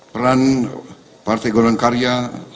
peran parti golongan karya